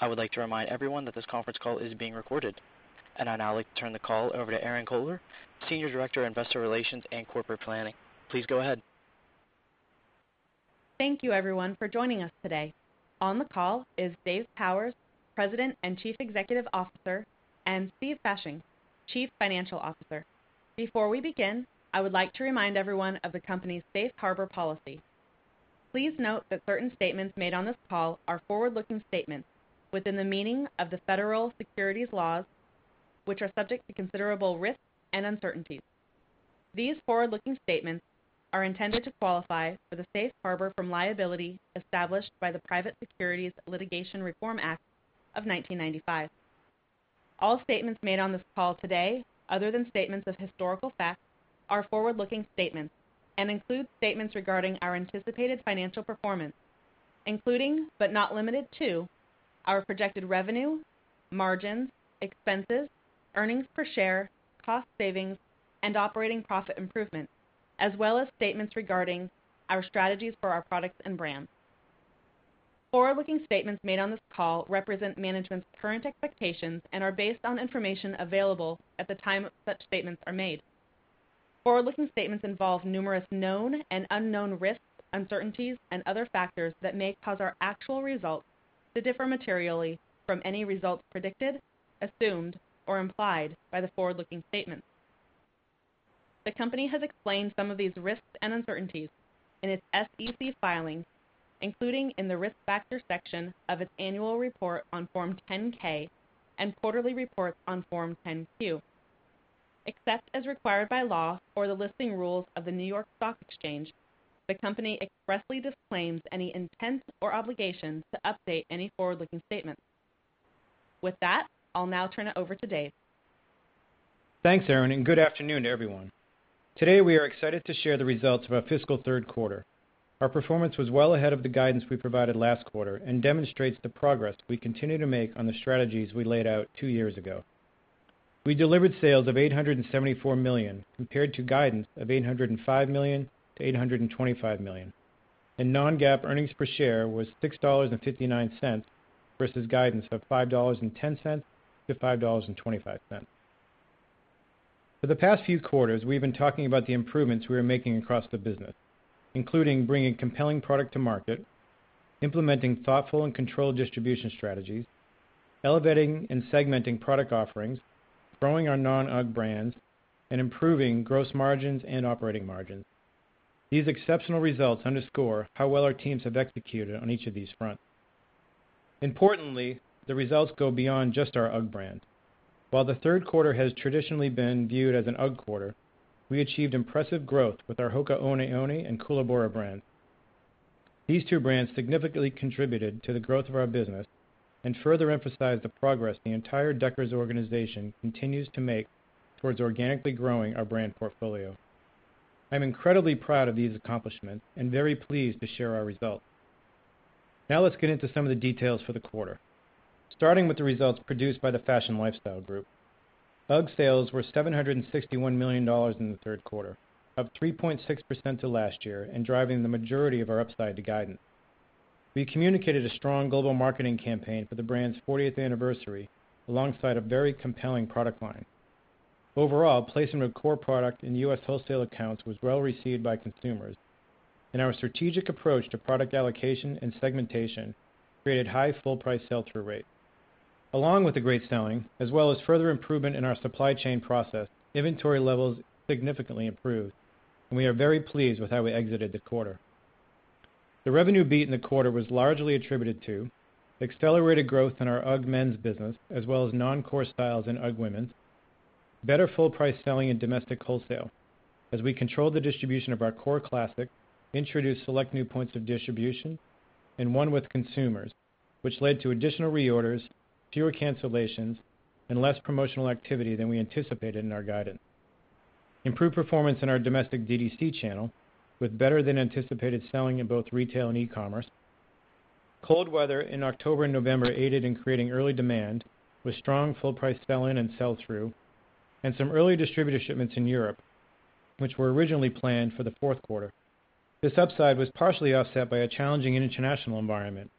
I would like to remind everyone that this conference call is being recorded. I'd now like to turn the call over to Erinn Kohler, Senior Director of Investor Relations and Corporate Planning. Please go ahead. Thank you everyone for joining us today. On the call is Dave Powers, President and Chief Executive Officer, and Steve Fasching, Chief Financial Officer. Before we begin, I would like to remind everyone of the company's safe harbor policy. Please note that certain statements made on this call are forward-looking statements within the meaning of the federal securities laws, which are subject to considerable risks and uncertainties. These forward-looking statements are intended to qualify for the safe harbor from liability established by the Private Securities Litigation Reform Act of 1995. All statements made on this call today, other than statements of historical facts, are forward-looking statements and include statements regarding our anticipated financial performance, including, but not limited to our projected revenue, margins, expenses, earnings per share, cost savings, and operating profit improvements, as well as statements regarding our strategies for our products and brands. Forward-looking statements made on this call represent management's current expectations and are based on information available at the time such statements are made. Forward-looking statements involve numerous known and unknown risks, uncertainties and other factors that may cause our actual results to differ materially from any results predicted, assumed, or implied by the forward-looking statements. The company has explained some of these risks and uncertainties in its SEC filings, including in the Risk Factor section of its annual report on Form 10-K and quarterly report on Form 10-Q. Except as required by law or the listing rules of the New York Stock Exchange, the company expressly disclaims any intents or obligations to update any forward-looking statements. With that, I'll now turn it over to Dave. Thanks, Erinn, good afternoon, everyone. Today, we are excited to share the results of our fiscal third quarter. Our performance was well ahead of the guidance we provided last quarter and demonstrates the progress we continue to make on the strategies we laid out two years ago. We delivered sales of $874 million compared to guidance of $805 million-$825 million. Non-GAAP earnings per share was $6.59 versus guidance of $5.10-$5.25. For the past few quarters, we've been talking about the improvements we are making across the business, including bringing compelling product to market, implementing thoughtful and controlled distribution strategies, elevating and segmenting product offerings, growing our non-UGG brands, and improving gross margins and operating margins. These exceptional results underscore how well our teams have executed on each of these fronts. Importantly, the results go beyond just our UGG brand. While the third quarter has traditionally been viewed as an UGG quarter, we achieved impressive growth with our Hoka One One and Koolaburra brands. These two brands significantly contributed to the growth of our business and further emphasized the progress the entire Deckers organization continues to make towards organically growing our brand portfolio. I'm incredibly proud of these accomplishments and very pleased to share our results. Now let's get into some of the details for the quarter. Starting with the results produced by the Fashion Lifestyle group. UGG sales were $761 million in the third quarter, up 3.6% to last year and driving the majority of our upside to guidance. We communicated a strong global marketing campaign for the brand's 40th anniversary alongside a very compelling product line. Overall, placement of core product in U.S. wholesale accounts was well received by consumers, and our strategic approach to product allocation and segmentation created high full price sell-through rate. Along with the great selling, as well as further improvement in our supply chain process, inventory levels significantly improved, and we are very pleased with how we exited the quarter. The revenue beat in the quarter was largely attributed to accelerated growth in our UGG men's business, as well as non-core styles in UGG women's, better full price selling in domestic wholesale as we controlled the distribution of our core classic, introduced select new points of distribution and won with consumers, which led to additional reorders, fewer cancellations, and less promotional activity than we anticipated in our guidance. Improved performance in our domestic DTC channel with better than anticipated selling in both retail and e-commerce. Cold weather in October and November aided in creating early demand with strong full price sell-in and sell-through, and some early distributor shipments in Europe, which were originally planned for the fourth quarter. This upside was partially offset by a challenging international environment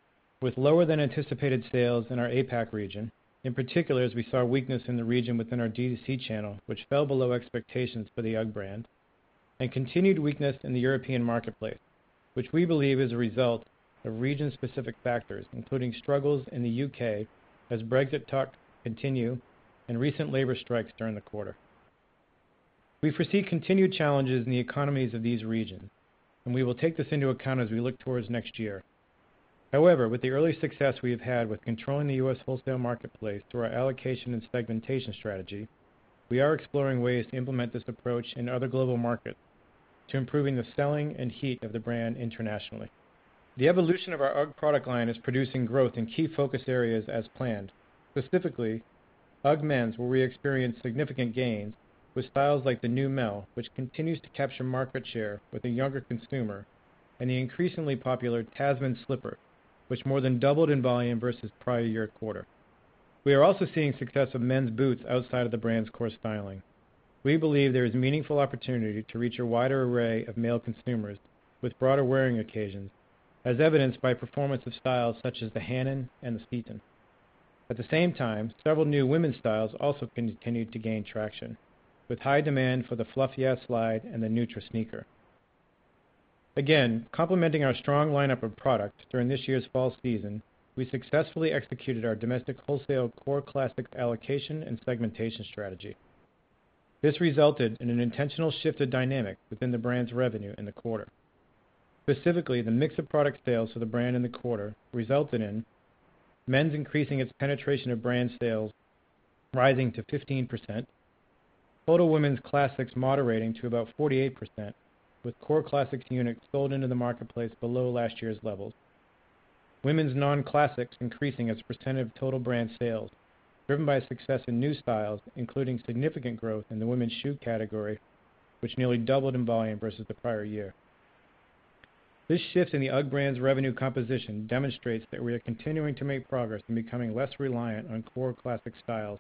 with lower than anticipated sales in our APAC region, in particular as we saw weakness in the region within our DTC channel, which fell below expectations for the UGG brand, and continued weakness in the European marketplace, which we believe is a result of region-specific factors, including struggles in the U.K. as Brexit talks continue and recent labor strikes during the quarter. We foresee continued challenges in the economies of these regions, and we will take this into account as we look towards next year. However, with the early success we have had with controlling the U.S. wholesale marketplace through our allocation and segmentation strategy, we are exploring ways to implement this approach in other global markets to improving the selling and heat of the brand internationally. The evolution of our UGG product line is producing growth in key focus areas as planned. Specifically, UGG men's, where we experienced significant gains with styles like the Neumel, which continues to capture market share with a younger consumer, and the increasingly popular Tasman slipper, which more than doubled in volume versus prior year quarter. We are also seeing success with men's boots outside of the brand's core styling. We believe there is meaningful opportunity to reach a wider array of male consumers with broader wearing occasions, as evidenced by performance of styles such as the Hannen and the Seton. At the same time, several new women's styles also continued to gain traction, with high demand for the Fluff Yeah Slide and the Neutra sneaker. Again, complementing our strong lineup of products during this year's fall season, we successfully executed our domestic wholesale core classic allocation and segmentation strategy. This resulted in an intentional shift of dynamic within the brand's revenue in the quarter. Specifically, the mix of product sales for the brand in the quarter resulted in men's increasing its penetration of brand sales rising to 15%, total women's classics moderating to about 48%, with core classics units sold into the marketplace below last year's levels. Women's non-classics increasing as % of total brand sales, driven by success in new styles, including significant growth in the women's shoe category, which nearly doubled in volume versus the prior year. This shift in the UGG brand's revenue composition demonstrates that we are continuing to make progress in becoming less reliant on core classic styles,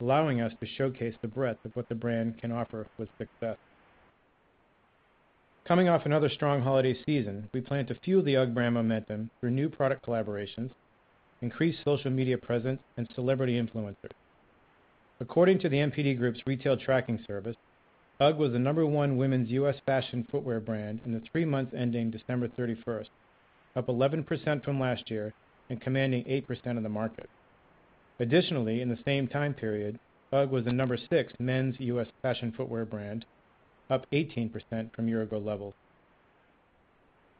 allowing us to showcase the breadth of what the brand can offer with success. Coming off another strong holiday season, we plan to fuel the UGG brand momentum through new product collaborations, increased social media presence, and celebrity influencers. According to the NPD Group's retail tracking service, UGG was the number 1 women's U.S. fashion footwear brand in the 3 months ending December 31st, up 11% from last year and commanding 8% of the market. Additionally, in the same time period, UGG was the number 6 men's U.S. fashion footwear brand, up 18% from year-ago levels.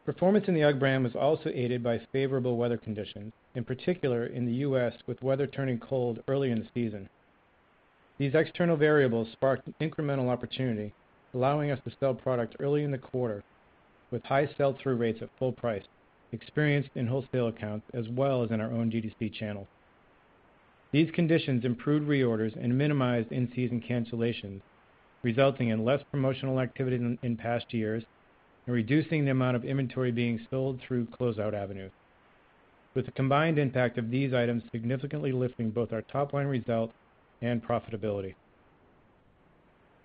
Performance in the UGG brand was also aided by favorable weather conditions, in particular in the U.S., with weather turning cold early in the season. These external variables sparked incremental opportunity, allowing us to sell product early in the quarter with high sell-through rates at full price, experienced in wholesale accounts, as well as in our own D2C channel. These conditions improved reorders and minimized in-season cancellations, resulting in less promotional activity than in past years and reducing the amount of inventory being sold through closeout avenues. With the combined impact of these items significantly lifting both our top-line results and profitability.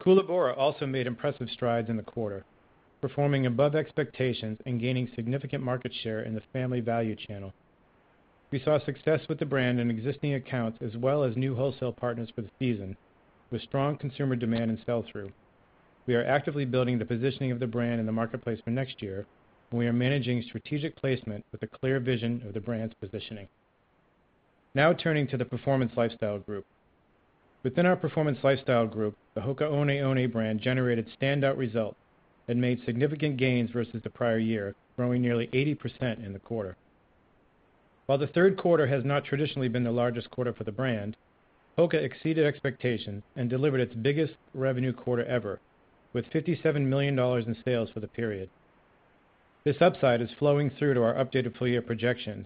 Koolaburra also made impressive strides in the quarter, performing above expectations and gaining significant market share in the family value channel. We saw success with the brand in existing accounts as well as new wholesale partners for the season, with strong consumer demand and sell-through. We are actively building the positioning of the brand in the marketplace for next year, and we are managing strategic placement with a clear vision of the brand's positioning. Now turning to the Performance Lifestyle group. Within our Performance Lifestyle group, the Hoka One One brand generated standout results and made significant gains versus the prior year, growing nearly 80% in the quarter. While the third quarter has not traditionally been the largest quarter for the brand, HOKA exceeded expectations and delivered its biggest revenue quarter ever, with $57 million in sales for the period. This upside is flowing through to our updated full-year projections,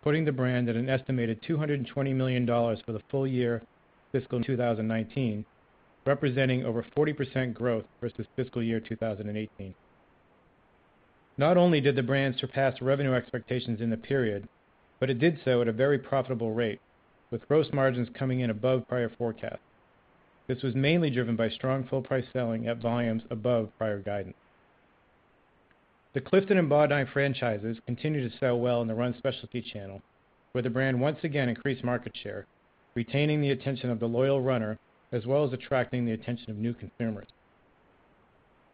putting the brand at an estimated $220 million for the full year fiscal 2019, representing over 40% growth versus fiscal year 2018. Not only did the brands surpass revenue expectations in the period, but it did so at a very profitable rate, with gross margins coming in above prior forecasts. This was mainly driven by strong full price selling at volumes above prior guidance. The Clifton and Bondi franchises continue to sell well in the run specialty channel, where the brand once again increased market share, retaining the attention of the loyal runner, as well as attracting the attention of new consumers.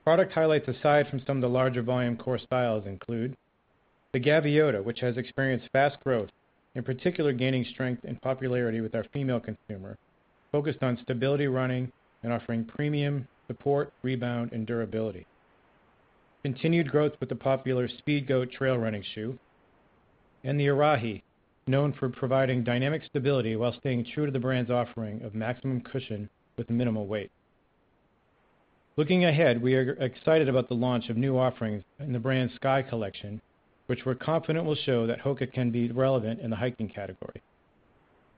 Product highlights aside from some of the larger volume core styles include the Gaviota, which has experienced fast growth, in particular, gaining strength and popularity with our female consumer, focused on stability running and offering premium support, rebound, and durability. Continued growth with the popular Speedgoat trail running shoe, and the Arahi, known for providing dynamic stability while staying true to the brand's offering of maximum cushion with minimal weight. Looking ahead, we are excited about the launch of new offerings in the brand's Sky collection, which we're confident will show that Hoka can be relevant in the hiking category.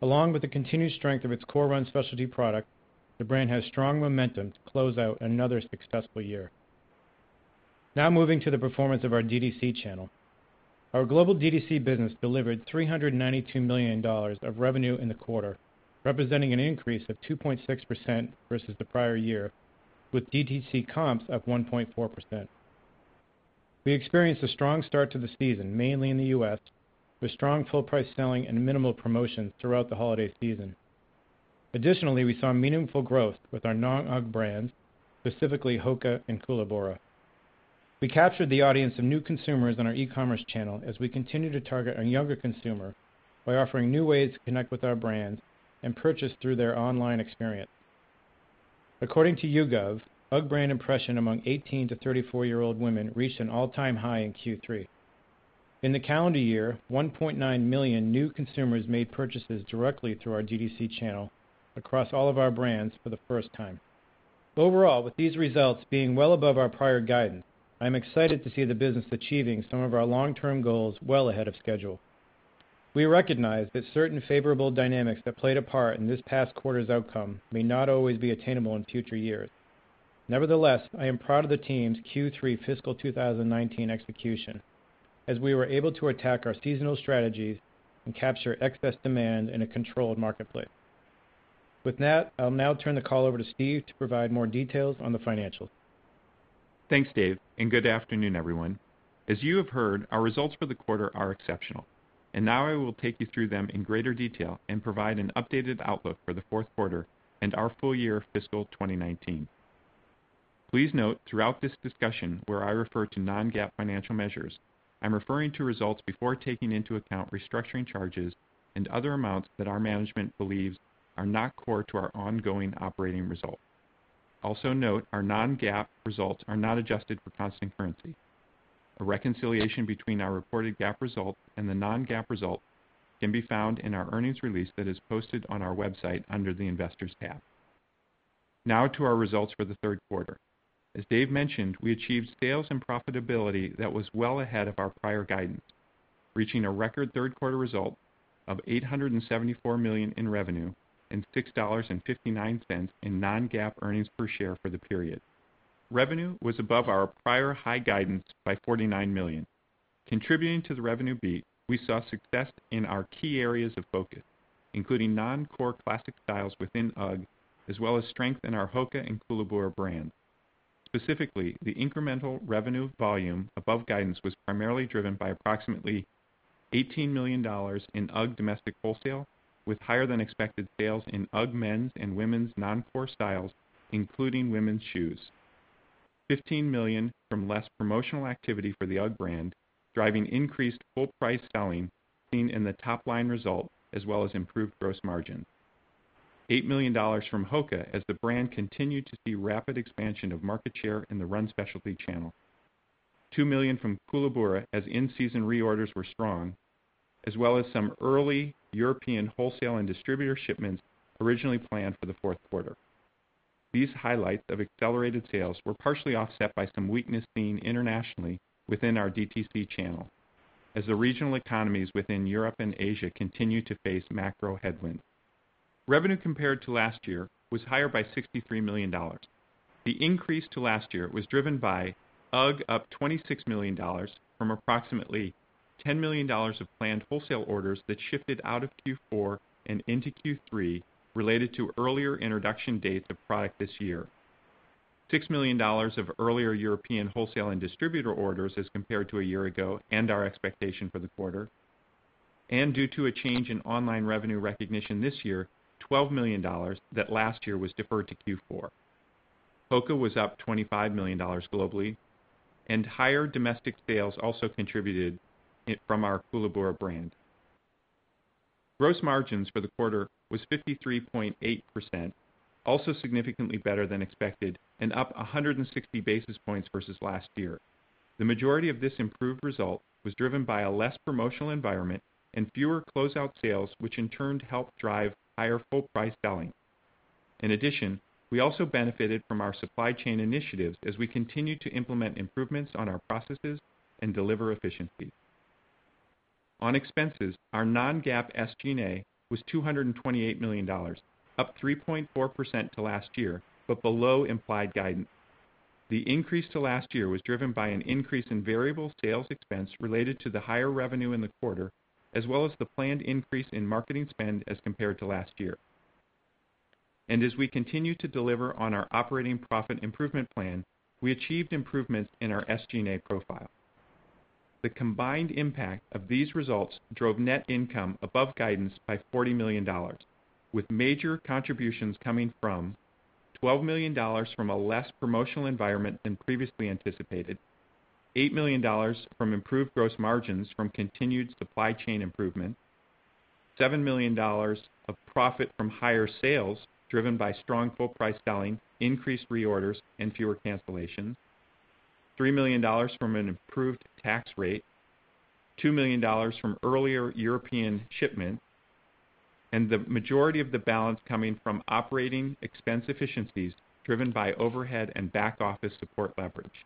Along with the continued strength of its core run specialty product, the brand has strong momentum to close out another successful year. Now moving to the performance of our D2C channel. Our global D2C business delivered $392 million of revenue in the quarter, representing an increase of 2.6% versus the prior year, with D2C comps up 1.4%. We experienced a strong start to the season, mainly in the U.S., with strong full price selling and minimal promotions throughout the holiday season. Additionally, we saw meaningful growth with our non-UGG brands, specifically Hoka and Koolaburra. We captured the audience of new consumers on our e-commerce channel as we continue to target a younger consumer by offering new ways to connect with our brand and purchase through their online experience. According to YouGov, UGG brand impression among 18 to 34-year-old women reached an all-time high in Q3. In the calendar year, 1.9 million new consumers made purchases directly through our D2C channel across all of our brands for the first time. Overall, with these results being well above our prior guidance, I'm excited to see the business achieving some of our long-term goals well ahead of schedule. We recognize that certain favorable dynamics that played a part in this past quarter's outcome may not always be attainable in future years. Nevertheless, I am proud of the team's Q3 fiscal 2019 execution, as we were able to attack our seasonal strategies and capture excess demand in a controlled marketplace. With that, I'll now turn the call over to Steve to provide more details on the financials. Thanks, Dave, good afternoon, everyone. As you have heard, our results for the quarter are exceptional. Now I will take you through them in greater detail and provide an updated outlook for the fourth quarter and our full year fiscal 2019. Please note throughout this discussion, where I refer to non-GAAP financial measures, I am referring to results before taking into account restructuring charges and other amounts that our management believes are not core to our ongoing operating result. Also note, our non-GAAP results are not adjusted for constant currency. A reconciliation between our reported GAAP result and the non-GAAP result can be found in our earnings release that is posted on our website under the Investors tab. Now to our results for the third quarter. As Dave mentioned, we achieved sales and profitability that was well ahead of our prior guidance, reaching a record third quarter result of $874 million in revenue and $6.59 in non-GAAP earnings per share for the period. Revenue was above our prior high guidance by $49 million. Contributing to the revenue beat, we saw success in our key areas of focus, including non-core classic styles within UGG, as well as strength in the HOKA and Koolaburra brands. Specifically, the incremental revenue volume above guidance was primarily driven by approximately $18 million in UGG domestic wholesale, with higher-than-expected sales in UGG men's and women's non-core styles, including women's shoes. $15 million from less promotional activity for the UGG brand, driving increased full price selling seen in the top-line result as well as improved gross margin. $8 million from HOKA as the brand continued to see rapid expansion of market share in the run specialty channel. $2 million from Koolaburra as in-season reorders were strong, as well as some early European wholesale and distributor shipments originally planned for the fourth quarter. These highlights of accelerated sales were partially offset by some weakness seen internationally within our DTC channel, as the regional economies within Europe and Asia continue to face macro headwind. Revenue compared to last year was higher by $63 million. The increase to last year was driven by UGG up $26 million from approximately $10 million of planned wholesale orders that shifted out of Q4 and into Q3 related to earlier introduction dates of product this year. $6 million of earlier European wholesale and distributor orders as compared to a year ago and our expectation for the quarter. Due to a change in online revenue recognition this year, $12 million that last year was deferred to Q4. HOKA was up $25 million globally, and higher domestic sales also contributed from our Koolaburra brand. Gross margins for the quarter was 53.8%, also significantly better than expected and up 160 basis points versus last year. The majority of this improved result was driven by a less promotional environment and fewer closeout sales, which in turn helped drive higher full-price selling. In addition, we also benefited from our supply chain initiatives as we continue to implement improvements on our processes and deliver efficiency. On expenses, our non-GAAP SG&A was $228 million, up 3.4% to last year, but below implied guidance. The increase to last year was driven by an increase in variable sales expense related to the higher revenue in the quarter, as well as the planned increase in marketing spend as compared to last year. As we continue to deliver on our operating profit improvement plan, we achieved improvements in our SG&A profile. The combined impact of these results drove net income above guidance by $40 million, with major contributions coming from $12 million from a less promotional environment than previously anticipated, $8 million from improved gross margins from continued supply chain improvement, $7 million of profit from higher sales driven by strong full price selling, increased reorders, and fewer cancellations, $3 million from an improved tax rate, $2 million from earlier European shipment, and the majority of the balance coming from operating expense efficiencies driven by overhead and back office support leverage.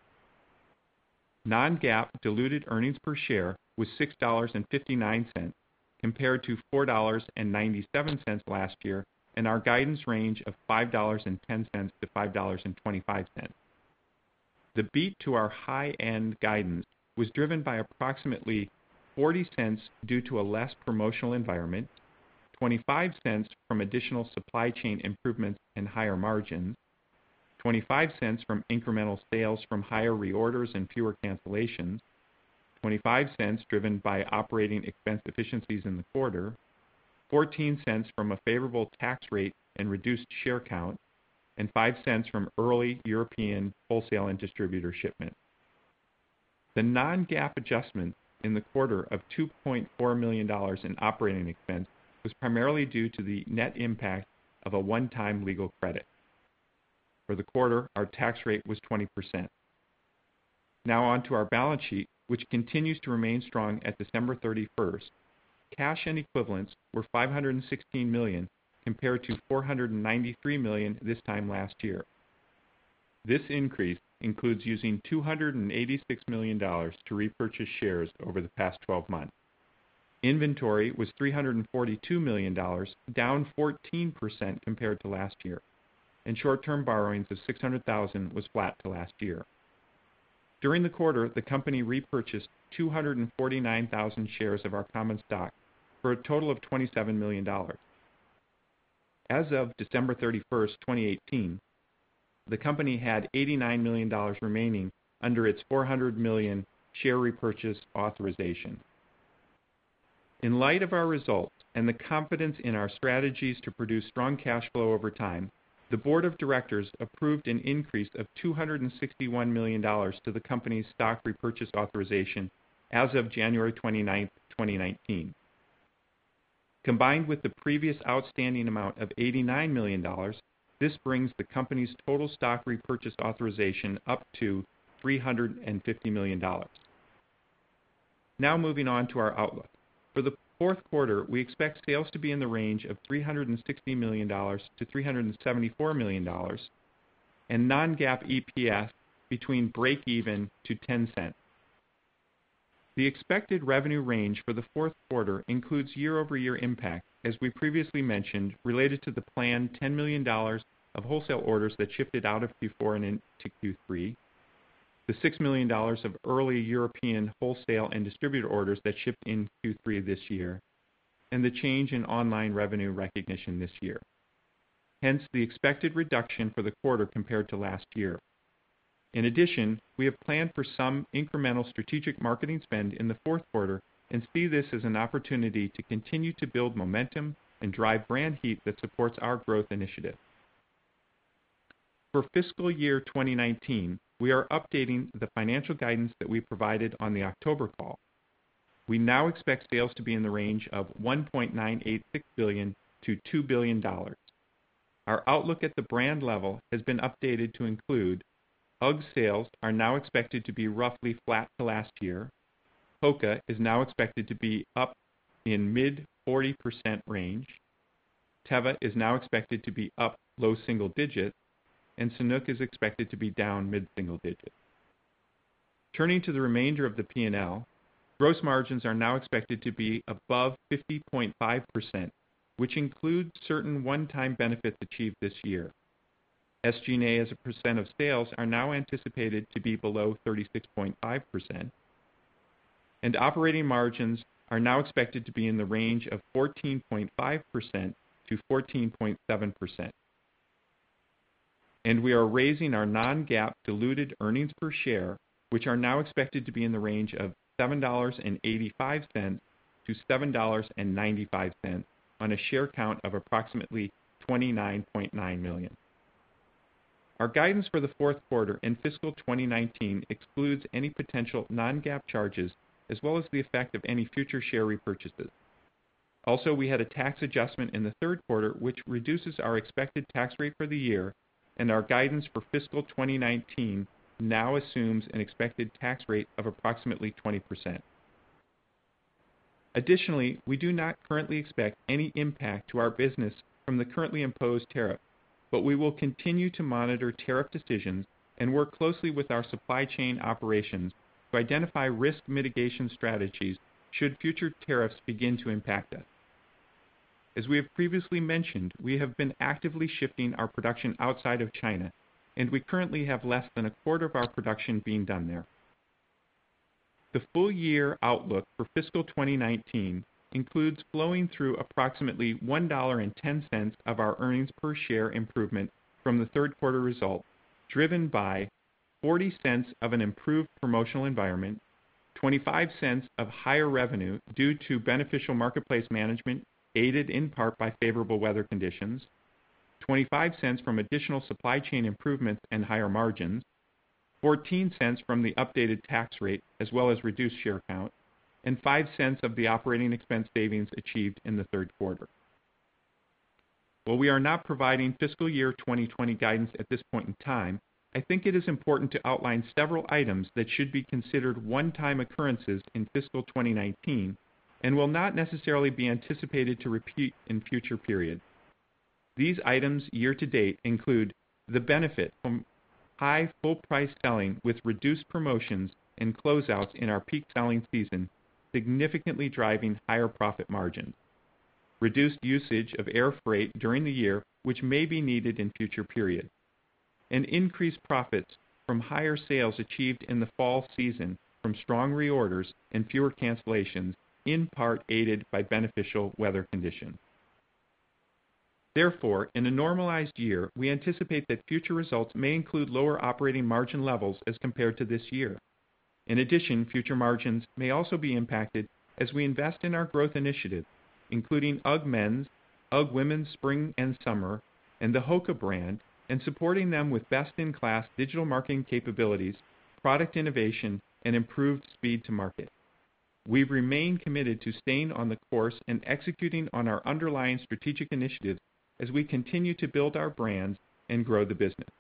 Non-GAAP diluted earnings per share was $6.59 compared to $4.97 last year and our guidance range of $5.10 to $5.25. The beat to our high-end guidance was driven by approximately $0.40 due to a less promotional environment, $0.25 from additional supply chain improvements and higher margins, $0.25 from incremental sales from higher reorders and fewer cancellations, $0.25 driven by operating expense efficiencies in the quarter, $0.14 from a favorable tax rate and reduced share count, and $0.05 from early European wholesale and distributor shipment. The non-GAAP adjustment in the quarter of $2.4 million in operating expense was primarily due to the net impact of a one-time legal credit. For the quarter, our tax rate was 20%. On to our balance sheet, which continues to remain strong at December 31st. Cash and equivalents were $516 million compared to $493 million this time last year. This increase includes using $286 million to repurchase shares over the past 12 months. Inventory was $342 million, down 14% compared to last year, and short-term borrowings of $600,000 was flat to last year. During the quarter, the company repurchased 249,000 shares of our common stock for a total of $27 million. As of December 31st, 2018, the company had $89 million remaining under its $400 million share repurchase authorization. In light of our results and the confidence in our strategies to produce strong cash flow over time, the board of directors approved an increase of $261 million to the company's stock repurchase authorization as of January 29th, 2019. Combined with the previous outstanding amount of $89 million, this brings the company's total stock repurchase authorization up to $350 million. Moving on to our outlook. For the fourth quarter, we expect sales to be in the range of $360 million to $374 million, and non-GAAP EPS between breakeven to $0.10. The expected revenue range for the fourth quarter includes year-over-year impact, as we previously mentioned, related to the planned $10 million of wholesale orders that shifted out of Q4 and into Q3, the $6 million of early European wholesale and distributor orders that shipped in Q3 this year, and the change in online revenue recognition this year. The expected reduction for the quarter compared to last year. In addition, we have planned for some incremental strategic marketing spend in the fourth quarter and see this as an opportunity to continue to build momentum and drive brand heat that supports our growth initiative. For fiscal year 2019, we are updating the financial guidance that we provided on the October call. We now expect sales to be in the range of $1.986 billion to $2 billion. Our outlook at the brand level has been updated to include UGG sales are now expected to be roughly flat to last year. HOKA is now expected to be up in mid 40% range. Teva is now expected to be up low single digits, Sanuk is expected to be down mid-single digits. Turning to the remainder of the P&L, gross margins are now expected to be above 50.5%, which includes certain one-time benefits achieved this year. SG&A as a percent of sales are now anticipated to be below 36.5%, operating margins are now expected to be in the range of 14.5%-14.7%. We are raising our non-GAAP diluted earnings per share, which are now expected to be in the range of $7.85-$7.95 on a share count of approximately 29.9 million. Our guidance for the fourth quarter and fiscal 2019 excludes any potential non-GAAP charges as well as the effect of any future share repurchases. We had a tax adjustment in the third quarter which reduces our expected tax rate for the year, our guidance for fiscal 2019 now assumes an expected tax rate of approximately 20%. We do not currently expect any impact to our business from the currently imposed tariff, we will continue to monitor tariff decisions and work closely with our supply chain operations to identify risk mitigation strategies should future tariffs begin to impact us. As we have previously mentioned, we have been actively shifting our production outside of China, we currently have less than a quarter of our production being done there. The full year outlook for fiscal 2019 includes flowing through approximately $1.10 of our earnings per share improvement from the third quarter result, driven by $0.40 of an improved promotional environment, $0.25 of higher revenue due to beneficial marketplace management aided in part by favorable weather conditions, $0.25 from additional supply chain improvements and higher margins, $0.14 from the updated tax rate as well as reduced share count, $0.05 of the operating expense savings achieved in the third quarter. While we are not providing fiscal year 2020 guidance at this point in time, I think it is important to outline several items that should be considered one-time occurrences in fiscal 2019 and will not necessarily be anticipated to repeat in future periods. These items year to date include the benefit from high full price selling with reduced promotions and closeouts in our peak selling season, significantly driving higher profit margins. Reduced usage of air freight during the year, which may be needed in future periods. Increased profits from higher sales achieved in the fall season from strong reorders and fewer cancellations, in part aided by beneficial weather conditions. In a normalized year, we anticipate that future results may include lower operating margin levels as compared to this year. Future margins may also be impacted as we invest in our growth initiatives, including UGG men's, UGG women's spring and summer, and the HOKA brand, and supporting them with best-in-class digital marketing capabilities, product innovation, and improved speed to market. We remain committed to staying on the course and executing on our underlying strategic initiatives as we continue to build our brands and grow the business.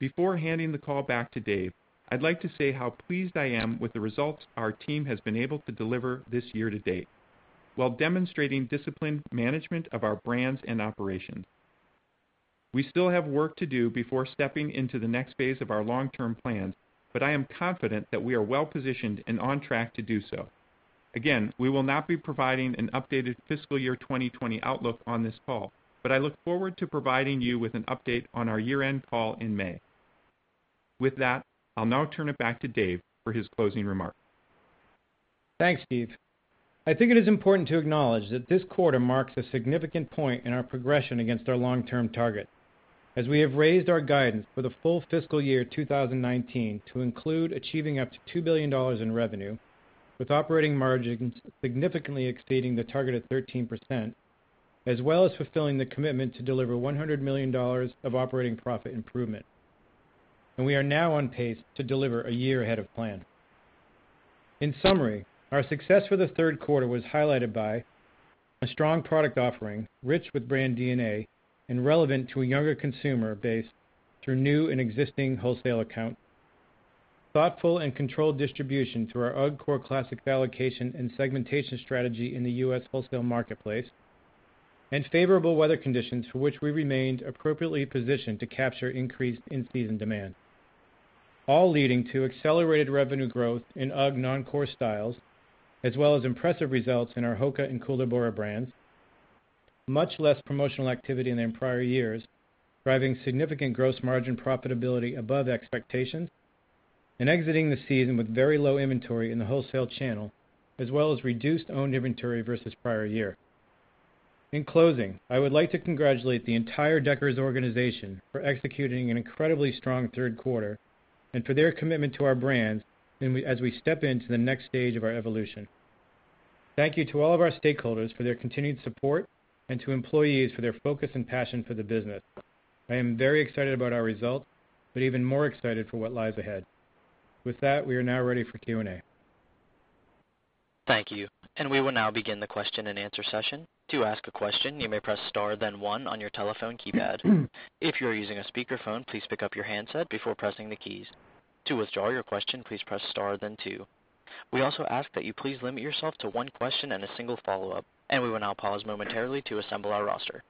Before handing the call back to Dave, I'd like to say how pleased I am with the results our team has been able to deliver this year to date while demonstrating disciplined management of our brands and operations. We still have work to do before stepping into the next phase of our long-term plans, but I am confident that we are well-positioned and on track to do so. We will not be providing an updated fiscal year 2020 outlook on this call, but I look forward to providing you with an update on our year-end call in May. I'll now turn it back to Dave for his closing remarks. Thanks, Steve. I think it is important to acknowledge that this quarter marks a significant point in our progression against our long-term target. As we have raised our guidance for the full fiscal year 2019 to include achieving up to $2 billion in revenue, with operating margins significantly exceeding the target of 13%, as well as fulfilling the commitment to deliver $100 million of operating profit improvement. We are now on pace to deliver a year ahead of plan. Our success for the third quarter was highlighted by a strong product offering, rich with brand DNA, and relevant to a younger consumer base through new and existing wholesale accounts. Thoughtful and controlled distribution through our UGG core classic allocation and segmentation strategy in the U.S. wholesale marketplace, and favorable weather conditions for which we remained appropriately positioned to capture increased in-season demand, all leading to accelerated revenue growth in UGG non-core styles, as well as impressive results in our HOKA and Koolaburra brands. Much less promotional activity than in prior years, driving significant gross margin profitability above expectations, and exiting the season with very low inventory in the wholesale channel, as well as reduced owned inventory versus prior year. I would like to congratulate the entire Deckers organization for executing an incredibly strong third quarter, and for their commitment to our brands as we step into the next stage of our evolution. Thank you to all of our stakeholders for their continued support, and to employees for their focus and passion for the business. I am very excited about our results, but even more excited for what lies ahead. With that, we are now ready for Q&A. Thank you. We will now begin the question and answer session. To ask a question, you may press star then one on your telephone keypad. If you're using a speakerphone, please pick up your handset before pressing the keys. To withdraw your question, please press star then two. We also ask that you please limit yourself to one question and a single follow-up. We will now pause momentarily to assemble our roster.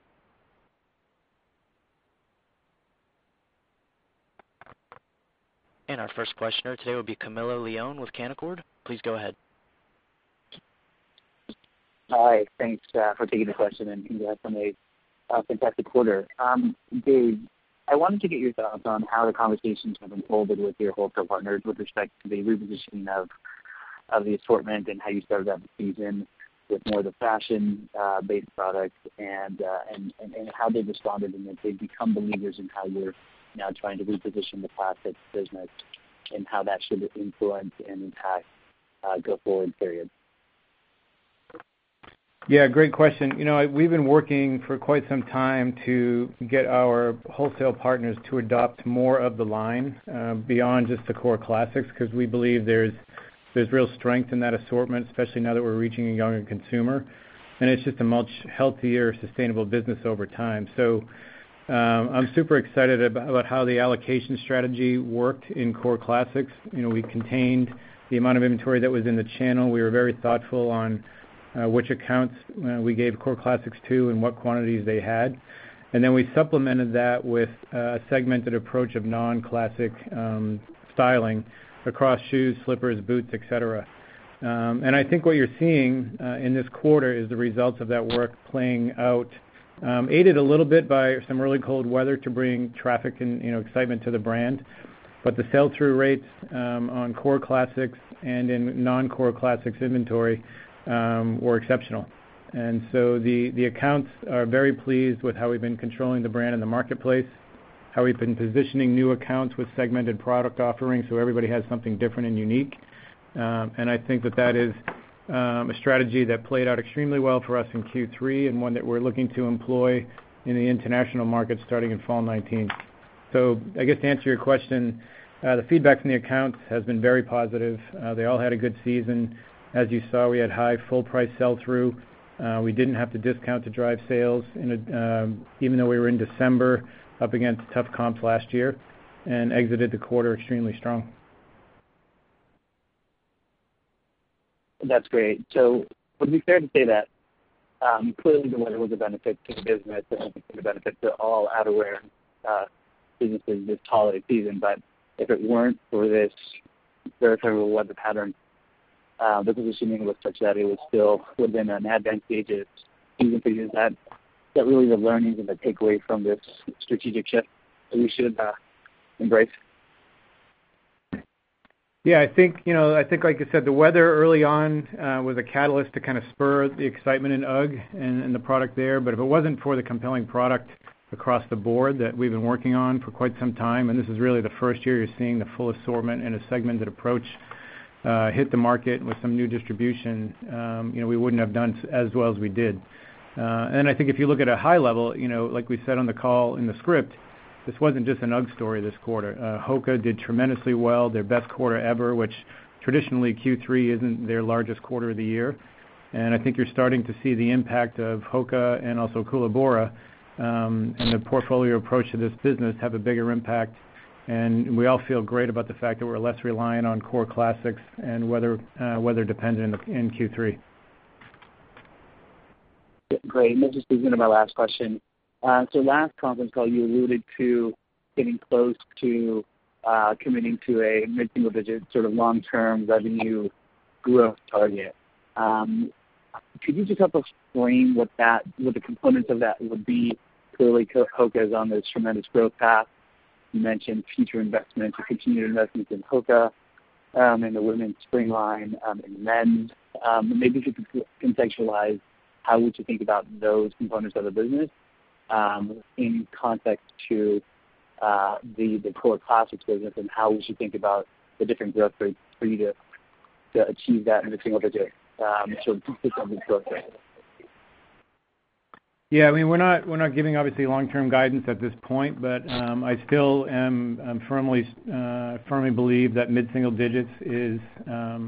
Our first questioner today will be Camilo Lyon with Canaccord. Please go ahead. Hi. Thanks for taking the question. Congrats on a fantastic quarter. Dave, I wanted to get your thoughts on how the conversations have unfolded with your wholesale partners with respect to the repositioning of the assortment. How you started out the season with more of the fashion-based products and how they responded. If they've become believers in how you're now trying to reposition the classics business. How that should influence and impact go forward period. Yeah, great question. We've been working for quite some time to get our wholesale partners to adopt more of the line beyond just the core classics, because we believe there's real strength in that assortment, especially now that we're reaching a younger consumer. It's just a much healthier, sustainable business over time. I'm super excited about how the allocation strategy worked in core classics. We contained the amount of inventory that was in the channel. We were very thoughtful on which accounts we gave core classics to and what quantities they had. Then we supplemented that with a segmented approach of non-classic styling across shoes, slippers, boots, et cetera. I think what you're seeing in this quarter is the results of that work playing out, aided a little bit by some really cold weather to bring traffic and excitement to the brand. The sell-through rates on core classics and in non-core classics inventory were exceptional. The accounts are very pleased with how we've been controlling the brand in the marketplace, how we've been positioning new accounts with segmented product offerings so everybody has something different and unique. I think that that is a strategy that played out extremely well for us in Q3 and one that we're looking to employ in the international market starting in fall 2019. I guess to answer your question, the feedback from the accounts has been very positive. They all had a good season. As you saw, we had high full price sell-through. We didn't have to discount to drive sales, even though we were in December up against tough comps last year and exited the quarter extremely strong. That's great. Would it be fair to say that clearly the weather was a benefit to the business and a benefit to all outerwear businesses this holiday season, but if it weren't for this very terrible weather pattern, the positioning was such that it would still have been an advantageous season for you? Is that really the learnings and the takeaway from this strategic shift that we should embrace? Yeah, I think, like you said, the weather early on was a catalyst to kind of spur the excitement in UGG and the product there. If it wasn't for the compelling product across the board that we've been working on for quite some time, and this is really the first year you're seeing the full assortment and a segmented approach hit the market with some new distribution, we wouldn't have done as well as we did. I think if you look at a high level, like we said on the call in the script, this wasn't just an UGG story this quarter. HOKA did tremendously well, their best quarter ever, which traditionally Q3 isn't their largest quarter of the year. I think you're starting to see the impact of HOKA and also Koolaburra, and the portfolio approach of this business have a bigger impact. We all feel great about the fact that we're less reliant on core classics and weather dependent in Q3. Great. This is going to be my last question. Last conference call, you alluded to getting close to committing to a mid-single-digit sort of long-term revenue growth target. Could you just help explain what the components of that would be? Clearly, HOKA is on this tremendous growth path. You mentioned future investments or continued investments in HOKA, in the women's spring line, in men's. Maybe if you could contextualize how would you think about those components of the business in context to the core classics business, and how we should think about the different growth rates for you to achieve that mid-single-digit sort of consistent growth rate. Yeah. We're not giving, obviously, long-term guidance at this point. I still firmly believe that mid-single digits is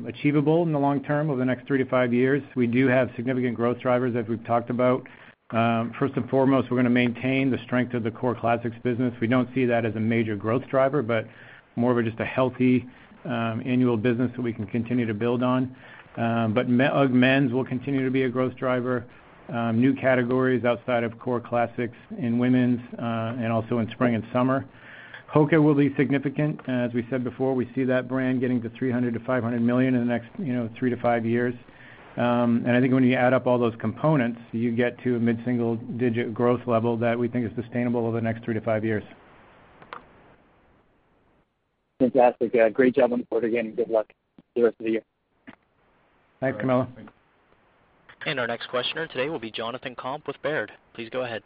achievable in the long term over the next three to five years. We do have significant growth drivers as we've talked about. First and foremost, we're going to maintain the strength of the core classics business. We don't see that as a major growth driver, but more of a just a healthy annual business that we can continue to build on. UGG men's will continue to be a growth driver. New categories outside of core classics in women's, and also in spring and summer. HOKA will be significant. As we said before, we see that brand getting to $300 million-$500 million in the next three to five years. I think when you add up all those components, you get to a mid-single-digit growth level that we think is sustainable over the next three to five years. Fantastic. Great job on the quarter again, good luck with the rest of the year. Thanks, Camilo. Our next questioner today will be Jonathan Komp with Baird. Please go ahead.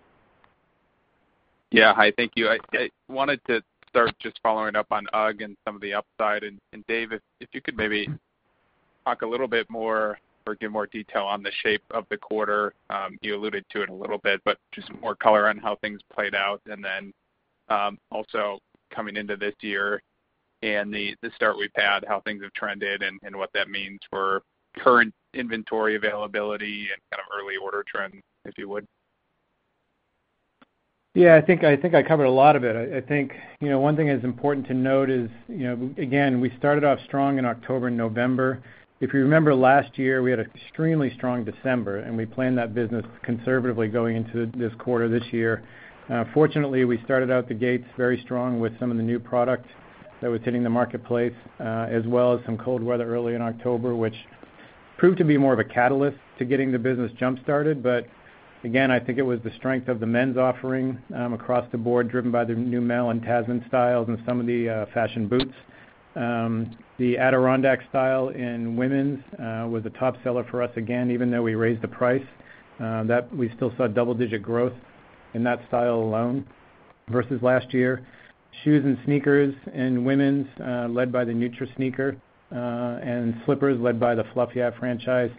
Yeah. Hi, thank you. I wanted to start just following up on UGG and some of the upside. Dave, if you could maybe talk a little bit more or give more detail on the shape of the quarter. You alluded to it a little bit, but just more color on how things played out. Also coming into this year and the start we've had, how things have trended and what that means for current inventory availability and kind of early order trends, if you would. Yeah, I think I covered a lot of it. I think one thing that's important to note is, again, we started off strong in October and November. If you remember last year, we had an extremely strong December, and we planned that business conservatively going into this quarter this year. Fortunately, we started out the gates very strong with some of the new product that was hitting the marketplace, as well as some cold weather early in October, which proved to be more of a catalyst to getting the business jump-started. Again, I think it was the strength of the men's offering across the board, driven by the Neumel and Tasman styles and some of the fashion boots. The Adirondack style in women's was a top seller for us again, even though we raised the price. We still saw double-digit growth in that style alone versus last year. Shoes and sneakers in women's, led by the Neutra sneaker, and slippers led by the Fluff Yeah franchise.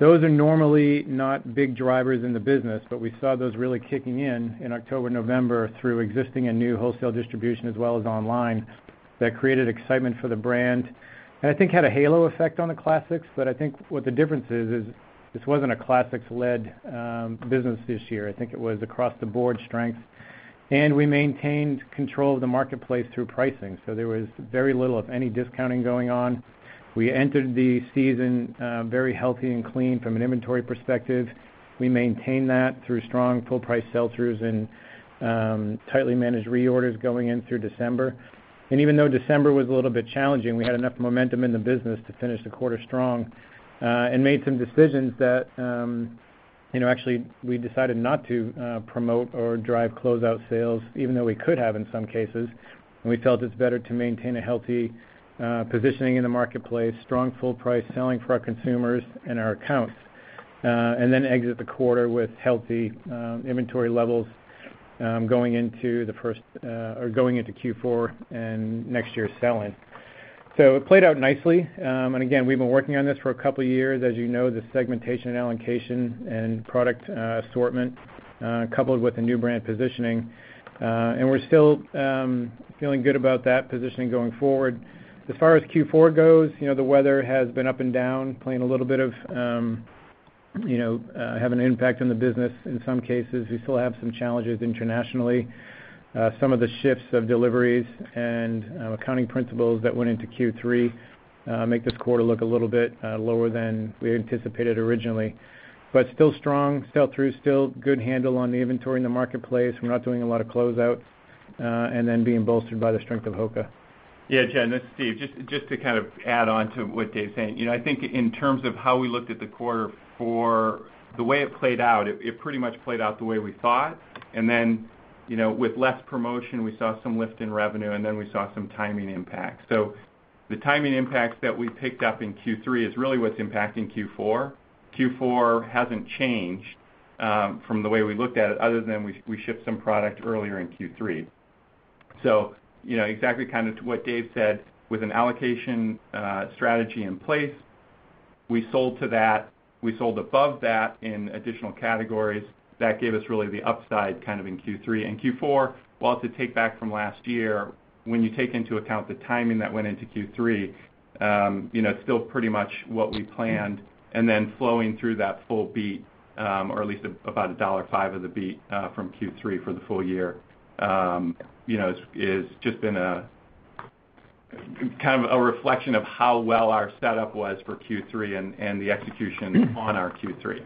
Those are normally not big drivers in the business, but we saw those really kicking in in October, November through existing and new wholesale distribution, as well as online, that created excitement for the brand and I think had a halo effect on the classics. But I think what the difference is this wasn't a classics-led business this year. I think it was across the board strength. And we maintained control of the marketplace through pricing. So there was very little, if any, discounting going on. We entered the season very healthy and clean from an inventory perspective. We maintained that through strong full price sell-throughs and tightly managed reorders going in through December. Even though December was a little bit challenging, we had enough momentum in the business to finish the quarter strong. Made some decisions that actually we decided not to promote or drive closeout sales, even though we could have in some cases. And we felt it's better to maintain a healthy positioning in the marketplace, strong full price selling for our consumers and our accounts. Then exit the quarter with healthy inventory levels going into Q4 and next year's selling. So it played out nicely. Again, we've been working on this for a couple of years. As you know, the segmentation and allocation and product assortment, coupled with the new brand positioning. And we're still feeling good about that positioning going forward. As far as Q4 goes, the weather has been up and down, playing a little bit of having an impact on the business in some cases. We still have some challenges internationally. Some of the shifts of deliveries and accounting principles that went into Q3 make this quarter look a little bit lower than we had anticipated originally. But still strong sell-through, still good handle on the inventory in the marketplace. We're not doing a lot of closeout. Then being bolstered by the strength of HOKA. Jon, this is Steve. Just to kind of add on to what Dave's saying. I think in terms of how we looked at the quarter for the way it played out, it pretty much played out the way we thought. Then with less promotion, we saw some lift in revenue. Then we saw some timing impacts. So the timing impacts that we picked up in Q3 is really what's impacting Q4. Q4 hasn't changed from the way we looked at it, other than we shipped some product earlier in Q3. So exactly kind of to what Dave said, with an allocation strategy in place, we sold to that. We sold above that in additional categories. That gave us really the upside kind of in Q3. Q4, while it's a take-back from last year, when you take into account the timing that went into Q3, still pretty much what we planned. Flowing through that full beat, or at least about a $1.05 of the beat from Q3 for the full year has just been a kind of a reflection of how well our setup was for Q3 and the execution on our Q3.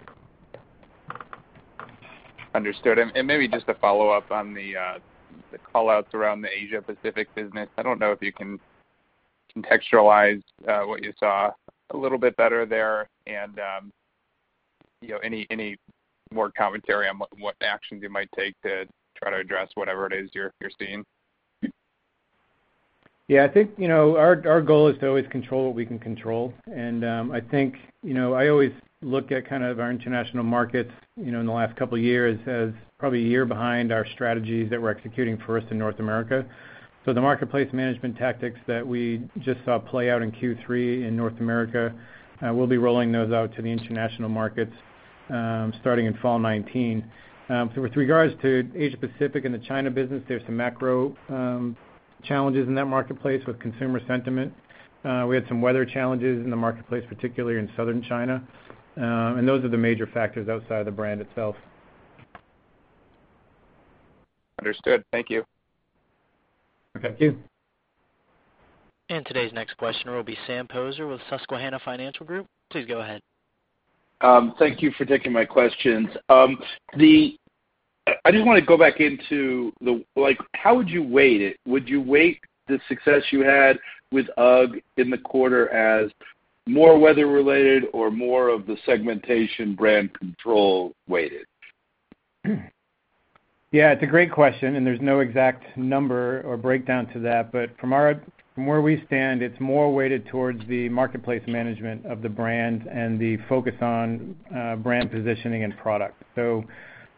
Understood. Maybe just a follow-up on the call-outs around the Asia Pacific business. I don't know if you can contextualize what you saw a little bit better there and any more commentary on what actions you might take to try to address whatever it is you're seeing. I think, our goal is to always control what we can control. I think, I always look at our international markets in the last couple of years as probably a year behind our strategies that we're executing first in North America. The marketplace management tactics that we just saw play out in Q3 in North America, we'll be rolling those out to the international markets starting in fall 2019. With regards to Asia Pacific and the China business, there's some macro challenges in that marketplace with consumer sentiment. We had some weather challenges in the marketplace, particularly in Southern China. Those are the major factors outside of the brand itself. Understood. Thank you. Thank you. Today's next question will be Sam Poser with Susquehanna Financial Group. Please go ahead. Thank you for taking my questions. I just want to go back into how would you weight it? Would you weight the success you had with UGG in the quarter as more weather related or more of the segmentation brand control weighted? Yeah, it's a great question, there's no exact number or breakdown to that. From where we stand, it's more weighted towards the marketplace management of the brand and the focus on brand positioning and product.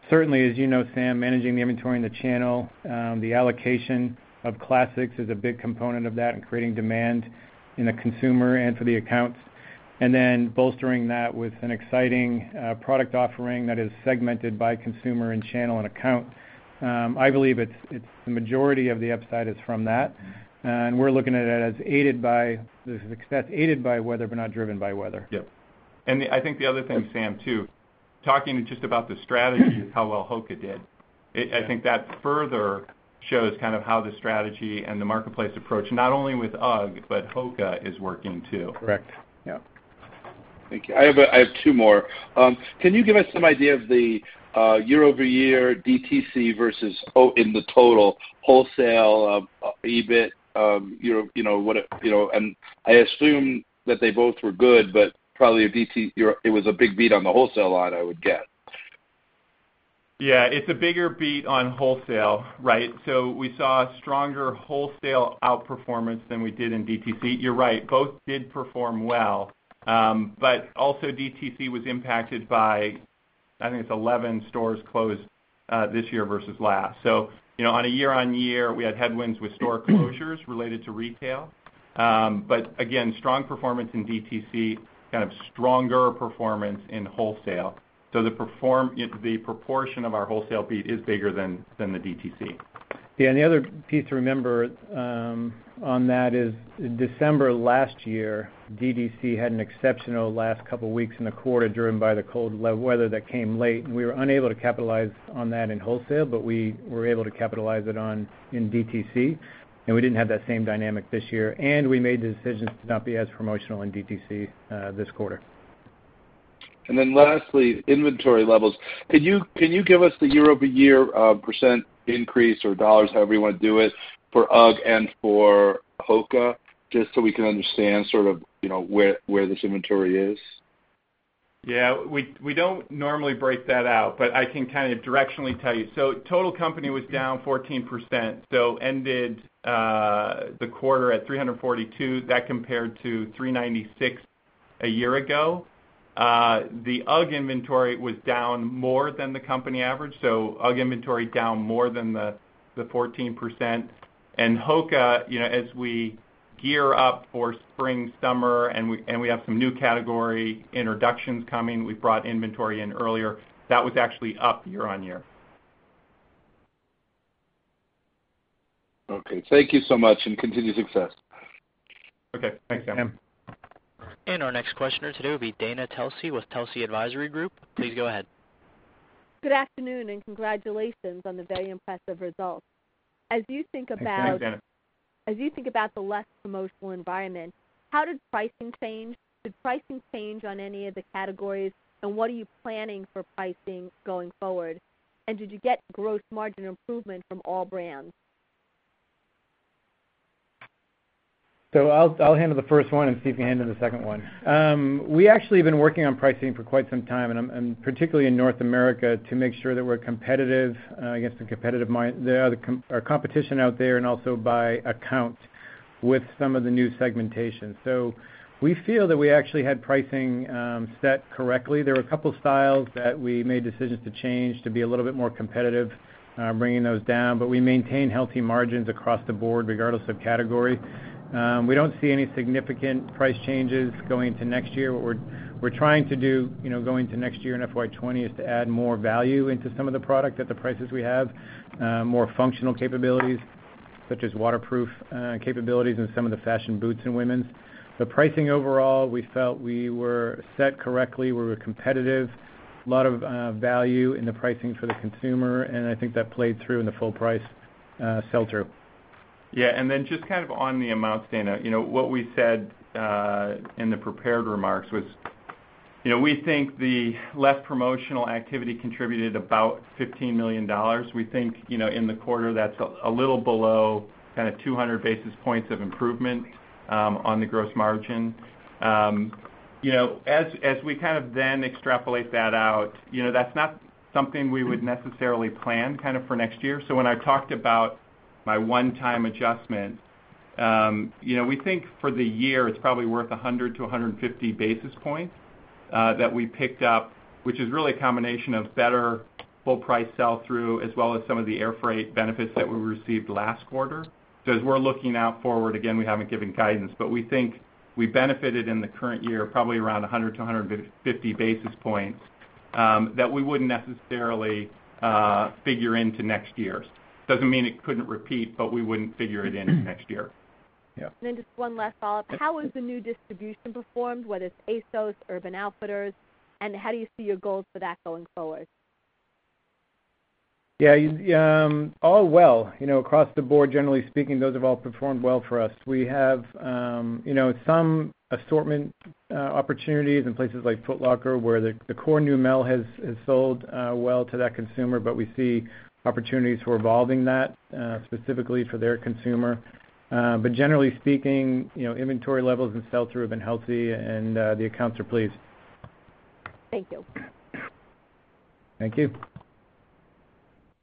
Certainly, as you know, Sam, managing the inventory in the channel, the allocation of classics is a big component of that and creating demand in the consumer and for the accounts. Bolstering that with an exciting product offering that is segmented by consumer and channel and account. I believe the majority of the upside is from that. We're looking at it as aided by the success, aided by weather, but not driven by weather. Yep. I think the other thing, Sam, too, talking just about the strategy of how well HOKA did. I think that further shows how the strategy and the marketplace approach, not only with UGG, but HOKA is working too. Correct. Yeah. Thank you. I have two more. Can you give us some idea of the year-over-year DTC versus in the total wholesale EBIT? I assume that they both were good, but probably it was a big beat on the wholesale lot, I would guess. Yeah, it's a bigger beat on wholesale, right? We saw stronger wholesale outperformance than we did in DTC. You're right. Both did perform well. Also DTC was impacted by, I think it's 11 stores closed this year versus last. On a year-on-year, we had headwinds with store closures related to retail. Again, strong performance in DTC, kind of stronger performance in wholesale. The proportion of our wholesale beat is bigger than the DTC. Yeah, the other piece to remember on that is December last year, DTC had an exceptional last couple of weeks in the quarter driven by the cold weather that came late, we were unable to capitalize on that in wholesale, we were able to capitalize it on in DTC, we didn't have that same dynamic this year, we made the decision to not be as promotional in DTC this quarter. Lastly, inventory levels. Can you give us the year-over-year % increase or $, however you want to do it, for UGG and for HOKA, just so we can understand sort of where this inventory is? Yeah. We don't normally break that out, I can kind of directionally tell you. Total company was down 14%, ended the quarter at $342. That compared to $396 a year ago. The UGG inventory was down more than the company average. UGG inventory down more than the 14%. HOKA, as we gear up for spring, summer, we have some new category introductions coming. We brought inventory in earlier. That was actually up year-on-year. Okay. Thank you so much, continued success. Okay. Thanks, Sam. Sam. Our next questioner today will be Dana Telsey with Telsey Advisory Group. Please go ahead. Good afternoon, and congratulations on the very impressive results. Thanks. Thanks, Dana. As you think about the less promotional environment, how did pricing change? Did pricing change on any of the categories, and what are you planning for pricing going forward? Did you get gross margin improvement from all brands? I'll handle the first one and Steve can handle the second one. We actually have been working on pricing for quite some time, and particularly in North America, to make sure that we're competitive against our competition out there and also by account with some of the new segmentation. We feel that we actually had pricing set correctly. There were a couple styles that we made decisions to change to be a little bit more competitive, bringing those down, but we maintain healthy margins across the board, regardless of category. We don't see any significant price changes going into next year. What we're trying to do, going into next year in FY 2020, is to add more value into some of the product at the prices we have, more functional capabilities such as waterproof capabilities in some of the fashion boots in women's. The pricing overall, we felt we were set correctly. We were competitive. A lot of value in the pricing for the consumer, and I think that played through in the full price sell-through. Yeah. Then just kind of on the amounts, Dana. What we said in the prepared remarks was We think the less promotional activity contributed about $15 million. We think, in the quarter, that's a little below 200 basis points of improvement on the gross margin. We then extrapolate that out, that's not something we would necessarily plan for next year. When I talked about my one-time adjustment, we think for the year, it's probably worth 100-150 basis points that we picked up, which is really a combination of better full price sell-through, as well as some of the air freight benefits that we received last quarter. As we're looking out forward, again, we haven't given guidance, but we think we benefited in the current year probably around 100-150 basis points that we wouldn't necessarily figure into next year's. Doesn't mean it couldn't repeat, but we wouldn't figure it into next year. Yeah. Just one last follow-up. How has the new distribution performed, whether it's ASOS, Urban Outfitters, and how do you see your goals for that going forward? Yeah. All well. Across the board, generally speaking, those have all performed well for us. We have some assortment opportunities in places like Foot Locker where the core Neumel has sold well to that consumer, but we see opportunities for evolving that, specifically for their consumer. Generally speaking, inventory levels and sell-through have been healthy, and the accounts are pleased. Thank you. Thank you.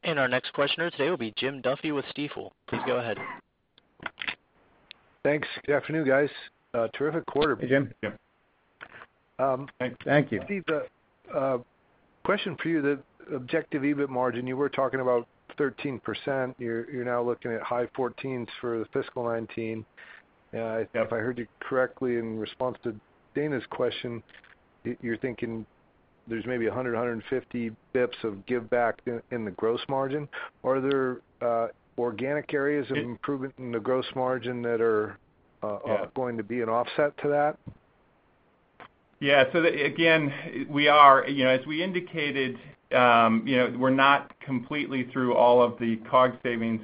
Our next questioner today will be Jim Duffy with Stifel. Please go ahead. Thanks. Good afternoon, guys. Terrific quarter. Hey, Jim. Jim. Thank you. Steve, a question for you. The objective EBIT margin, you were talking about 13%. You're now looking at high 14% for the fiscal 2019. Yep. If I heard you correctly in response to Dana's question, you're thinking there's maybe 100 to 150 basis points of giveback in the gross margin. Are there organic areas of improvement in the gross margin? Yeah going to be an offset to that? Again, as we indicated, we're not completely through all of the COGS savings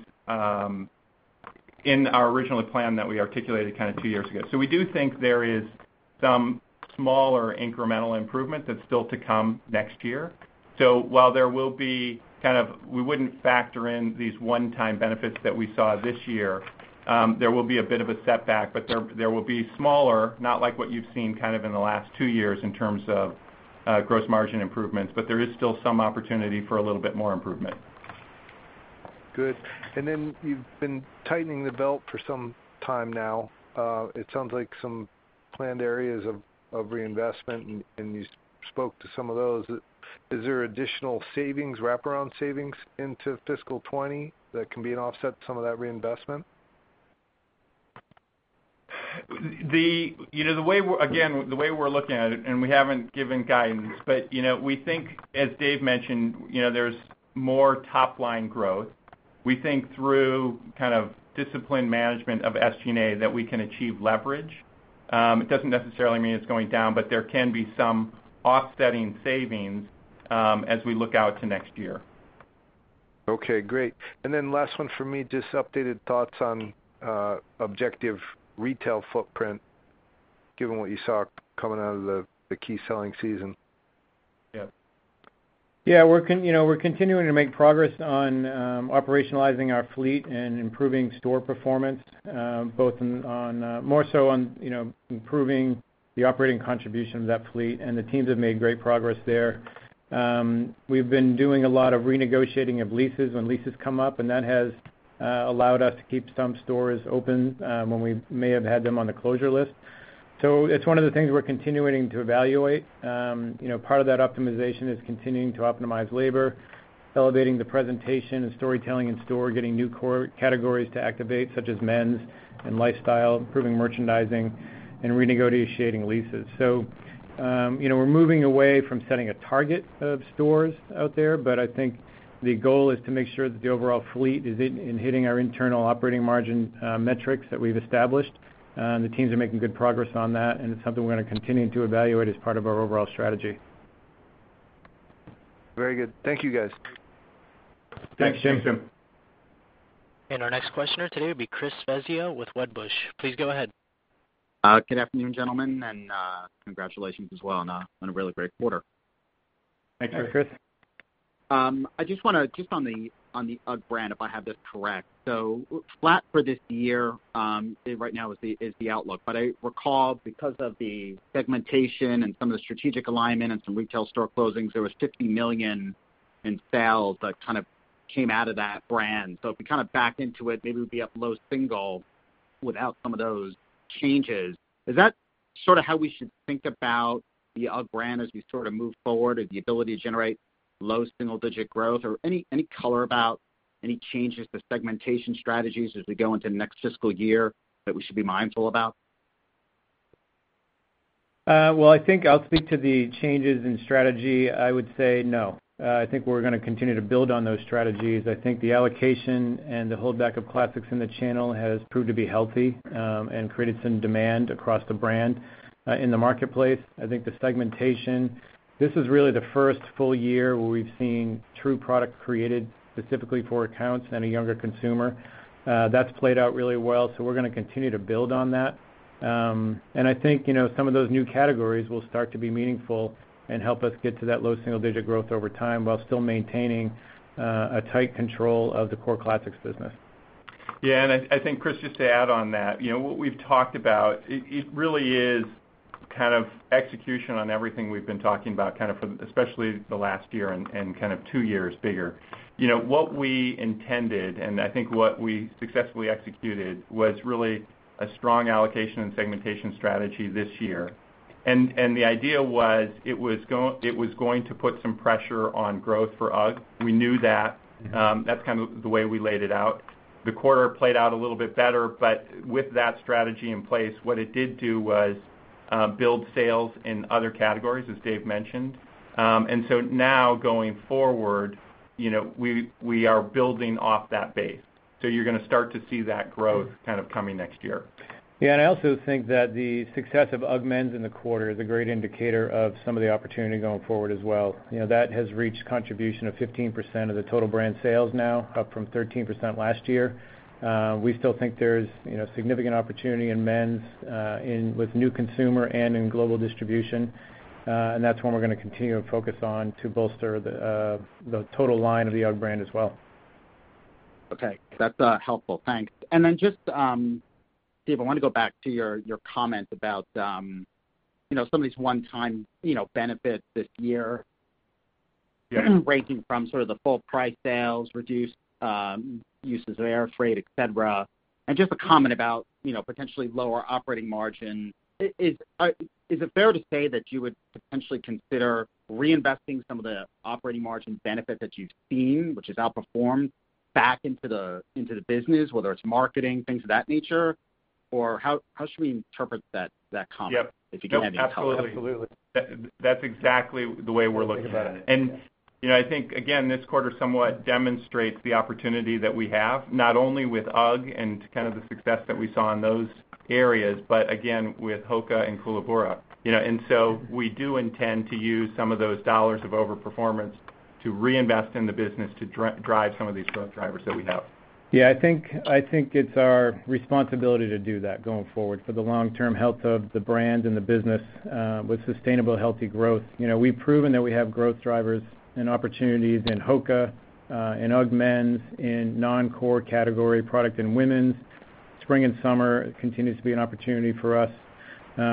in our original plan that we articulated 2 years ago. We do think there is some small or incremental improvement that's still to come next year. While we wouldn't factor in these one-time benefits that we saw this year, there will be a bit of a setback. There will be smaller, not like what you've seen in the last 2 years in terms of gross margin improvements, but there is still some opportunity for a little bit more improvement. Good. You've been tightening the belt for some time now. It sounds like some planned areas of reinvestment, and you spoke to some of those. Is there additional wraparound savings into fiscal 2020 that can be an offset to some of that reinvestment? Again, the way we're looking at it, we haven't given guidance, we think, as Dave mentioned, there's more top-line growth. We think through disciplined management of SG&A that we can achieve leverage. It doesn't necessarily mean it's going down, but there can be some offsetting savings as we look out to next year. Okay, great. Last one for me, just updated thoughts on objective retail footprint, given what you saw coming out of the key selling season. Yeah. Yeah. We're continuing to make progress on operationalizing our fleet and improving store performance. More so on improving the operating contribution of that fleet, and the teams have made great progress there. We've been doing a lot of renegotiating of leases when leases come up, and that has allowed us to keep some stores open when we may have had them on the closure list. It's one of the things we're continuing to evaluate. Part of that optimization is continuing to optimize labor, elevating the presentation and storytelling in store, getting new core categories to activate, such as men's and lifestyle, improving merchandising, and renegotiating leases. We're moving away from setting a target of stores out there, but I think the goal is to make sure that the overall fleet is hitting our internal operating margin metrics that we've established. The teams are making good progress on that, and it's something we're going to continue to evaluate as part of our overall strategy. Very good. Thank you, guys. Thanks, Jim. Thanks, Jim. Our next questioner today will be Chris Svezia with Wedbush. Please go ahead. Good afternoon, gentlemen, and congratulations as well on a really great quarter. Thanks, Chris. Yeah. Just on the UGG brand, if I have this correct. Flat for this year right now is the outlook. I recall because of the segmentation and some of the strategic alignment and some retail store closings, there was $50 million in sales that came out of that brand. If we back into it, maybe we'd be up low single without some of those changes. Is that how we should think about the UGG brand as we move forward, or the ability to generate low single-digit growth? Any color about any changes to segmentation strategies as we go into the next fiscal year that we should be mindful about? Well, I think I'll speak to the changes in strategy. I would say no. I think we're going to continue to build on those strategies. I think the allocation and the holdback of classics in the channel has proved to be healthy and created some demand across the brand in the marketplace. I think the segmentation, this is really the first full year where we've seen true product created specifically for accounts and a younger consumer. That's played out really well, so we're going to continue to build on that. And I think, some of those new categories will start to be meaningful and help us get to that low single-digit growth over time while still maintaining a tight control of the core classics business. Yeah. I think, Chris, just to add on that, what we've talked about, it really is kind of execution on everything we've been talking about kind of from, especially the last year and kind of two years bigger. What we intended, and I think what we successfully executed, was really a strong allocation and segmentation strategy this year. The idea was, it was going to put some pressure on growth for UGG. We knew that. That's kind of the way we laid it out. The quarter played out a little bit better, with that strategy in place, what it did do was build sales in other categories, as Dave mentioned. Now going forward, we are building off that base. You're going to start to see that growth kind of coming next year. Yeah. I also think that the success of UGG men's in the quarter is a great indicator of some of the opportunity going forward as well. That has reached contribution of 15% of the total brand sales now, up from 13% last year. We still think there's significant opportunity in men's, with new consumer and in global distribution. That's one we're going to continue to focus on to bolster the total line of the UGG brand as well. Okay. That's helpful. Thanks. Dave, I want to go back to your comment about some of these one-time benefits this year. Yeah. Ranging from sort of the full price sales, reduced uses of air freight, et cetera. Just a comment about potentially lower operating margin. Is it fair to say that you would potentially consider reinvesting some of the operating margin benefit that you've seen, which has outperformed back into the business, whether it's marketing, things of that nature? Or how should we interpret that comment? Yep. If you can add any color? Absolutely. That's exactly the way we're looking at it. The way we're looking at it, yeah. I think, again, this quarter somewhat demonstrates the opportunity that we have, not only with UGG and kind of the success that we saw in those areas, but again, with HOKA and Koolaburra. We do intend to use some of those dollars of over-performance to reinvest in the business to drive some of these growth drivers that we have. Yeah, I think it's our responsibility to do that going forward for the long-term health of the brand and the business with sustainable, healthy growth. We've proven that we have growth drivers and opportunities in HOKA, in UGG men's, in non-core category product in women's. Spring and summer continues to be an opportunity for us.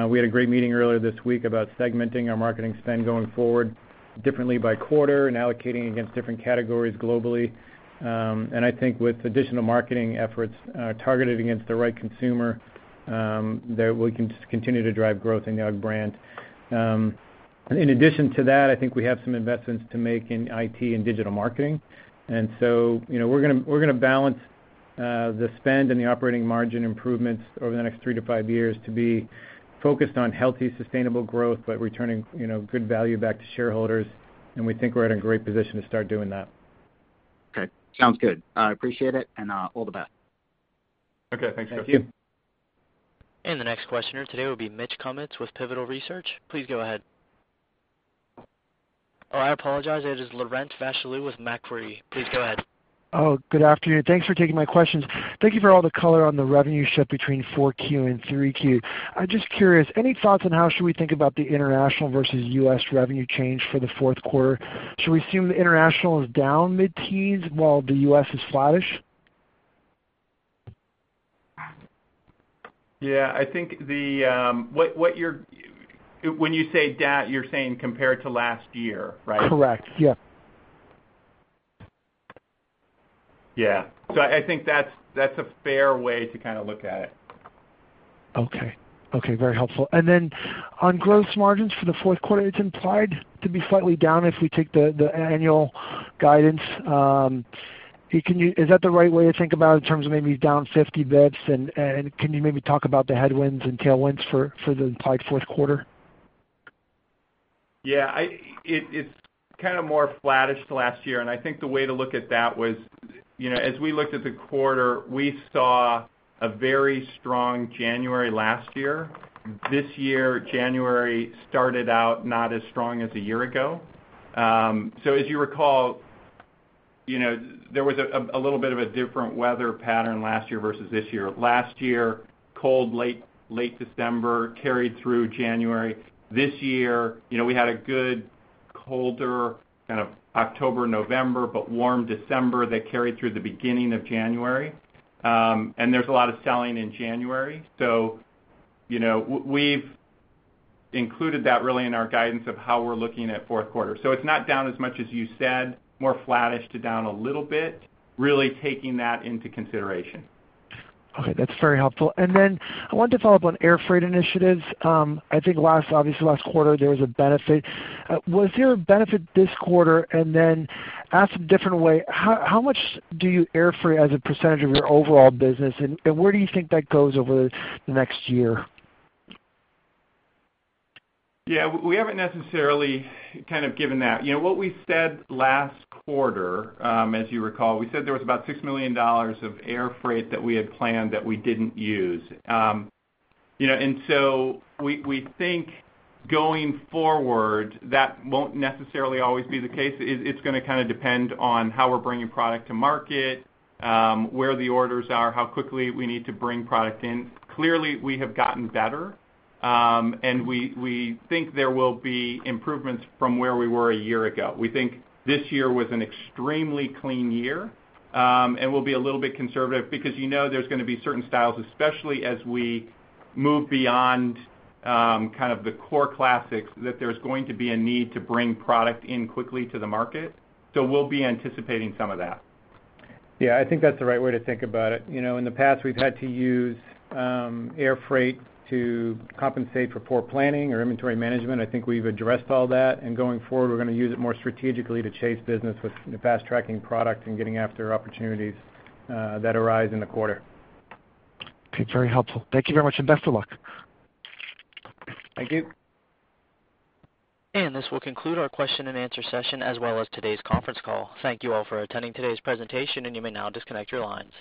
We had a great meeting earlier this week about segmenting our marketing spend going forward differently by quarter and allocating against different categories globally. I think with additional marketing efforts targeted against the right consumer, that we can continue to drive growth in the UGG brand. In addition to that, I think we have some investments to make in IT and digital marketing. We're going to balance the spend and the operating margin improvements over the next three to five years to be focused on healthy, sustainable growth, but returning good value back to shareholders. We think we're in a great position to start doing that. Okay. Sounds good. I appreciate it, and all the best. Okay. Thanks, Chris. Thank you. The next questioner today will be Mitch Kummetz with Pivotal Research. Please go ahead. Oh, I apologize, it is Laurent Vasilescu with Macquarie. Please go ahead. Oh, good afternoon. Thanks for taking my questions. Thank you for all the color on the revenue shift between four Q and three Q. I'm just curious, any thoughts on how should we think about the international versus U.S. revenue change for the fourth quarter? Should we assume that international is down mid-teens while the U.S. is flattish? Yeah. When you say that, you're saying compared to last year, right? Correct. Yeah. Yeah. I think that's a fair way to kind of look at it. Okay. Very helpful. On gross margins for the fourth quarter, it's implied to be slightly down if we take the annual guidance. Is that the right way to think about it in terms of maybe down 50 basis points? Can you maybe talk about the headwinds and tailwinds for the implied fourth quarter? Yeah. It's kind of more flattish to last year. I think the way to look at that was, as we looked at the quarter, we saw a very strong January last year. This year, January started out not as strong as a year ago. As you recall, there was a little bit of a different weather pattern last year versus this year. Last year, cold, late December, carried through January. This year, we had a good colder kind of October, November, but warm December that carried through the beginning of January. There's a lot of selling in January. We've included that really in our guidance of how we're looking at fourth quarter. It's not down as much as you said, more flattish to down a little bit, really taking that into consideration. Okay. That's very helpful. I want to follow up on air freight initiatives. I think obviously last quarter there was a benefit. Was there a benefit this quarter? Asked a different way, how much do you air freight as a percentage of your overall business, and where do you think that goes over the next year? Yeah. We haven't necessarily kind of given that. What we said last quarter, as you recall, we said there was about $6 million of air freight that we had planned that we didn't use. We think going forward, that won't necessarily always be the case. It's going to kind of depend on how we're bringing product to market, where the orders are, how quickly we need to bring product in. Clearly, we have gotten better. We think there will be improvements from where we were a year ago. We think this year was an extremely clean year. We'll be a little bit conservative because you know there's going to be certain styles, especially as we move beyond kind of the core classics, that there's going to be a need to bring product in quickly to the market. We'll be anticipating some of that. Yeah, I think that's the right way to think about it. In the past, we've had to use air freight to compensate for poor planning or inventory management. I think we've addressed all that, going forward, we're going to use it more strategically to chase business with fast-tracking product and getting after opportunities that arise in the quarter. Okay. Very helpful. Thank you very much, best of luck. Thank you. This will conclude our question and answer session, as well as today's conference call. Thank you all for attending today's presentation, you may now disconnect your lines.